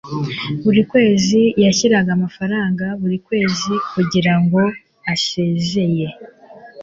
buri kwezi yashyiraga amafaranga buri kwezi kugirango asezeye